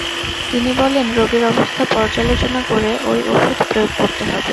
তিনি বলেন, রোগীর অবস্থা পর্যালোচনা করে এই ওষুধ প্রয়োগ করতে হবে।